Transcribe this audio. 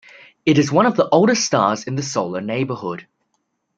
It is one of the oldest stars in the solar neighborhood.